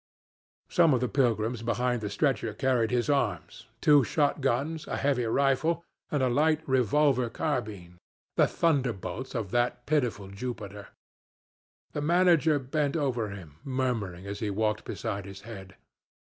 "Some of the pilgrims behind the stretcher carried his arms two shot guns, a heavy rifle, and a light revolver carbine the thunderbolts of that pitiful Jupiter. The manager bent over him murmuring as he walked beside his head.